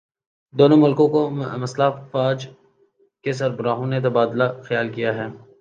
دونوں ملکوں کی مسلح افواج کے سربراہوں نے تبادلہ خیال کیا ہے